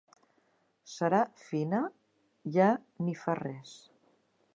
Serà fina? Ja ni fa res!